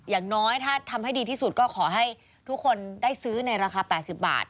อย่างน้อยถ้าทำให้ดีที่สุดก็ขอให้ทุกคนได้ซื้อในราคา๘๐บาท